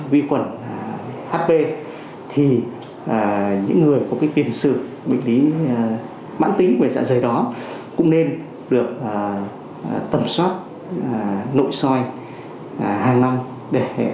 vi quẩn hp thì những người có cái tiền sự bệnh lý mãn tính về dạ dày đó cũng nên được tẩm soát nội soi hàng năm để phát hiện bệnh lý ca dạ dày sớm